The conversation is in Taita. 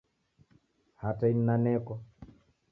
Hata ini nanekwa